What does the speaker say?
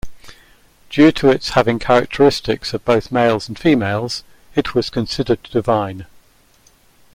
Due to its having characteristics of both males and females, it was considered divine.